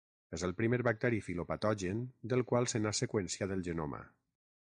És el primer bacteri fitopatogen del qual se n'ha seqüenciat el genoma.